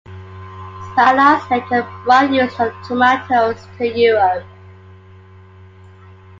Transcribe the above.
Spaniards later brought the use of tomatoes to Europe.